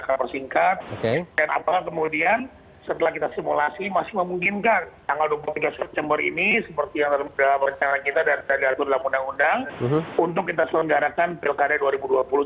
kita akan persingkat dan apalagi kemudian setelah kita simulasi masih memungkinkan tanggal dua puluh tiga september ini seperti yang telah kita perkenalkan dan tergantung dalam undang undang untuk kita selenggarakan pilkade dua ribu dua puluh suruntak ini